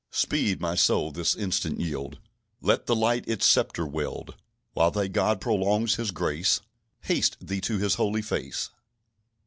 "Speed, my soul, this instant yield; Let the light its sceptre wield. While thy God prolongs His grace, Haste thee to His holy face."